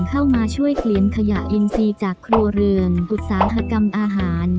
เข้ามาช่วยเกลียนขยะอินซีจากครัวเรือนอุตสาหกรรมอาหาร